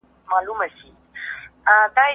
دا چپنه له هغه پاکه ده!؟